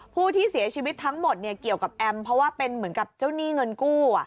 ผู้ที่เสียชีวิตทั้งหมดเกี่ยวกับแอมเพราะว่าเป็นเหมือนกับเจ้าหนี้เงินกู้